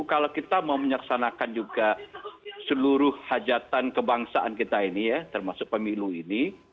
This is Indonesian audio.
kalau kita mau menyeksanakan juga seluruh hajatan kebangsaan kita ini ya termasuk pemilu ini